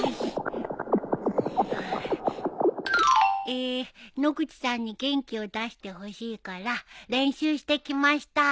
えー野口さんに元気を出してほしいから練習してきました。